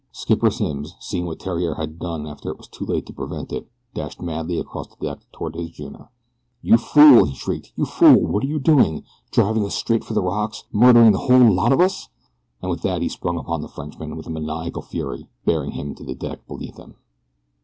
Skipper Simms, seeing what Theriere had done after it was too late to prevent it, dashed madly across the deck toward his junior. "You fool!" he shrieked. "You fool! What are you doing? Driving us straight for the rocks murdering the whole lot of us!" and with that he sprang upon the Frenchman with maniacal fury, bearing him to the deck beneath him.